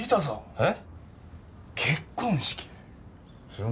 えっ？